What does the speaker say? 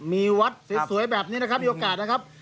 มีวัดสวยแบบนี้นะครับมีโอกาสนะครับ